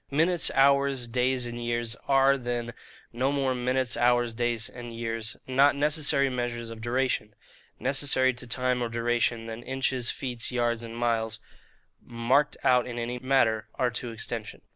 Minutes, hours, days, and years are, then, no more Minutes, Hours, Days, and Years not necessary Measures of duration, necessary to time or duration, than inches, feet, yards, and miles, marked out in any matter, are to extension.